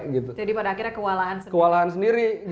jadi pada akhirnya kewalahan sendiri